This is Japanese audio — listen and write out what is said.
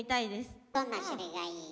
どんな種類がいい？